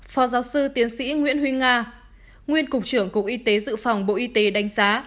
phó giáo sư tiến sĩ nguyễn huy nga nguyên cục trưởng cục y tế dự phòng bộ y tế đánh giá